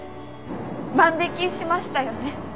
万引しましたよね